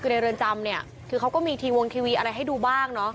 ในเรือนจำนี่คือเขาก็มีทีวงทีวีอะไรให้ดูบ้าง